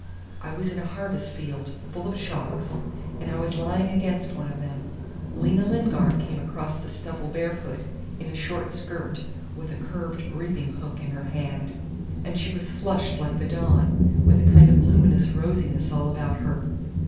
I was in a harvest field full of shocks, and I was lying against one of them. Lena Lingard came across the stubble barefoot, in a short skirt, with a curved reaping hook in her hand, and she was flushed like the dawn, with a kind of luminous rosiness all about her.